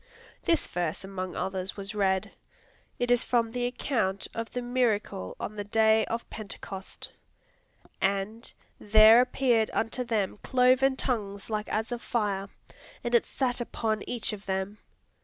This verse among others was read: it is from the account of the miracle on the day of Pentecost: "And there appeared unto them cloven tongues like as of fire, and it sat upon each of them."